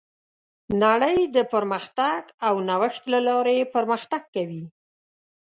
نړۍ د پرمختګ او نوښت له لارې پرمختګ کوي.